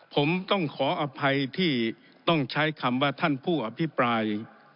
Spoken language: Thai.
ผมต้องขออภัยที่ต้องใช้คำว่าท่านผู้อภิปราย